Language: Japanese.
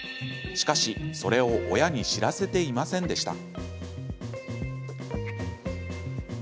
しかし、それを親に知らせていませんでした。